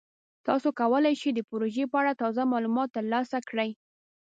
تاسو کولی شئ د پروژې په اړه تازه معلومات ترلاسه کړئ.